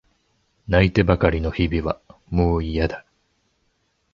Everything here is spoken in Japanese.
泣いてばかりの日々はもういやだ。